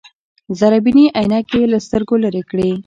ذره بيني عينکې يې له سترګو لرې کړې.